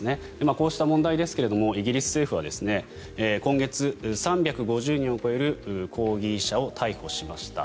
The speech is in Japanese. こうした問題ですがイギリス政府は今月、３５０人を超える抗議者を逮捕しました。